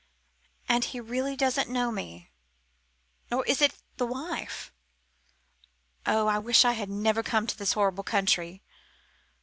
And he really doesn't know me? Or is it the wife? Oh! I wish I'd never come to this horrible country!"